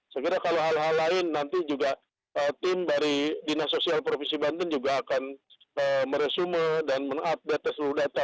saya kira kalau hal hal lain nanti juga tim dari dinas sosial provinsi banten juga akan meresume dan mengupdate seluruh data